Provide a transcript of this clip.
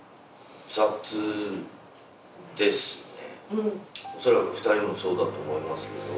おそらく２人もそうだと思いますけど。